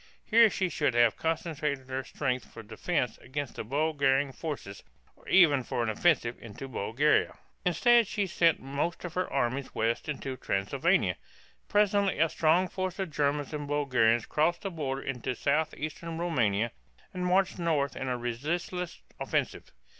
Here she should have concentrated her strength for defense against the Bulgarian forces or even for an offensive into Bulgaria. Instead she sent most of her armies west into Transylvania. Presently a strong force of Germans and Bulgarians crossed the border into southeastern Roumania (the Dobrudja) and marched north in a resistless offensive.